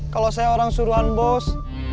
kalau saya orang suruhan bos